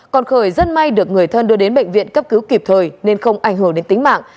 còn khởi rất may được người thân đưa đến bệnh viện cấp cứu kịp thời nên không ảnh hưởng đến tính mạng